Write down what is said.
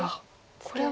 これは。